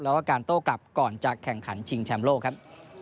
แล้วก็การโต้กลับก่อนจะแข่งขันชิงแชมป์โลกครับ